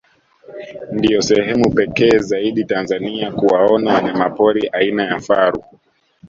Ndio sehemu pekee zaidi Tanzania kuwaona wanyamapori aina ya faru